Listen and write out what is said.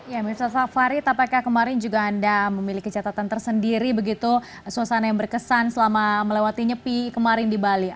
ya mirsa safari tampaknya kemarin juga anda memiliki catatan tersendiri begitu suasana yang berkesan selama melewati nyepi kemarin di bali